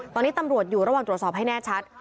ตอนนี้ตำรวจอยู่ระหว่างตรวจสอบให้แน่ชัด